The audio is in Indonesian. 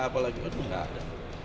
apalagi itu tidak ada